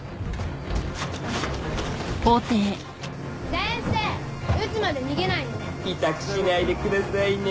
先生撃つまで逃げないでね痛くしないでくださいね